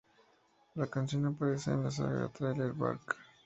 La canción aparece en la saga de Thriller Bark.